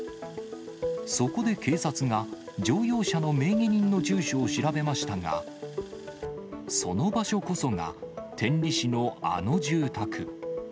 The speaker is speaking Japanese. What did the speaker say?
そこで警察が、乗用車の名義人の住所を調べましたが、その場所こそが天理市のあの住宅。